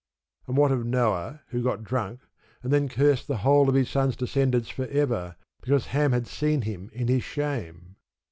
And what of Noah, who got drunk, and then cursed the whole of his sons' descendants for ever, because Ham had seen him in his shame?